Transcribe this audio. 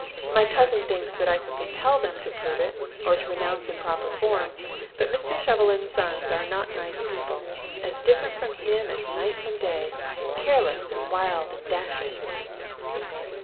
My cousin thinks that I could compel them to prove it, or to renounce in proper form; but Mr. Shovelin's sons are not nice people as different from him as night from day, careless and wild and dashing."